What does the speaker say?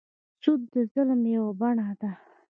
سود د ظلم یوه بڼه ده.